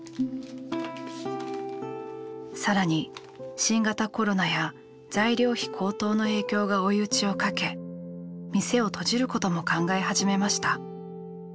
更に新型コロナや材料費高騰の影響が追い打ちをかけ店を閉じることも考え始めました。